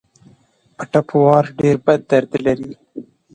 په ټپ وار ډېر بد درد لري.